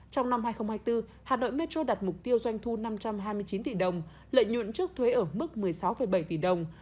trong năm hai nghìn hai mươi bốn hà nội metro đặt mục tiêu doanh thu năm trăm hai mươi chín tỷ đồng lợi nhuận trước thuế ở mức một mươi sáu bảy tỷ đồng